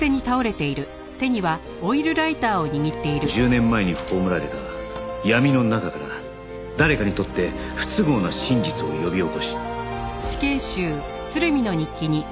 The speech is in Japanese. １０年前に葬られた闇の中から誰かにとって不都合な真実を呼び起こし